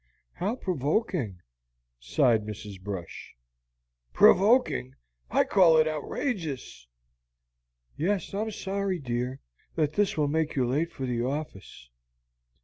"How provoking!" sighed Mrs. Brush. "Provoking? I call it outrageous." "Yes; I'm sorry, dear, that this will make you late to your office."